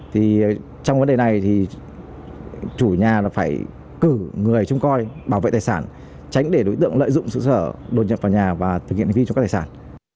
trong vấn đề này thì chủ nhà phải cử người chung coi bảo vệ tài sản tránh để đối tượng lợi dụng sự sở đột nhập vào nhà và thực hiện hành vi trộm cắt tài sản